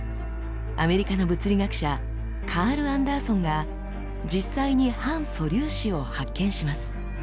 アメリカの物理学者カール・アンダーソンが実際に反素粒子を発見します。